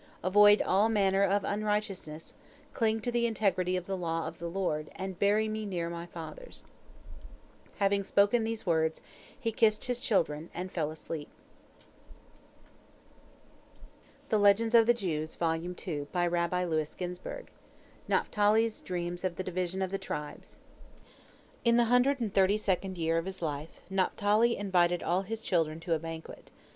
Avoid all manner of unrighteousness, cling to the integrity of the law of the Lord, and bury me near my fathers." Having spoken these words, he kissed his children, and fell asleep. NAPHTALI'S DREAMS OF THE DIVISION OF THE TRIBES In the hundred and thirty second year of his life, Naphtali invited all his children to a banquet.